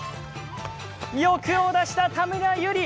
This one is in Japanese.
欲を出した田村友里。